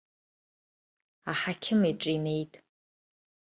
Аҳақьым иҿы инеит.